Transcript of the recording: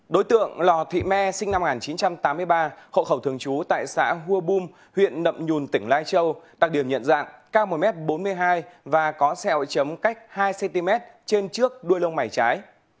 đối tượng lò thị me sinh năm một nghìn chín trăm tám mươi ba hộ khẩu thường trú tại xã hua bum huyện nậm nhùn tỉnh lai châu đặc điểm nhận dạng cao một m bốn mươi hai và có sẹo chấm cách hai cm trên trước đuôi lông mày trái